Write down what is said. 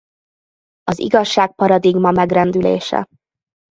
Az igazság-paradigma megrendülése.